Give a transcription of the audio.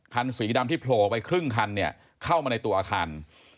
คันสีดำที่โผล่ออกไปครึ่งคันเนี่ยเข้ามาในตัวอาคาร